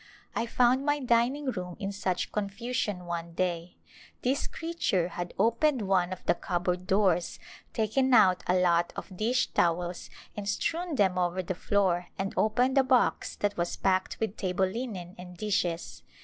I found my dining room in such confusion one day. This crea ture had opened one of the cupboard doors, taken out a lot of dish towels and strewn them over the floor and opened a box that was packed with table linen and dishes.